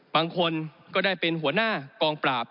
บางคนก็ได้เป็นหัวหน้ากองปราบ